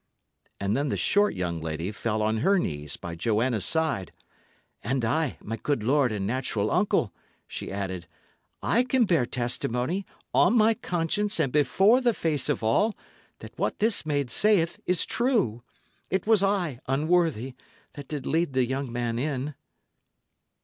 And then the short young lady fell on her knees by Joanna's side. "And I, my good lord and natural uncle," she added, "I can bear testimony, on my conscience and before the face of all, that what this maiden saith is true. It was I, unworthy, that did lead the young man in."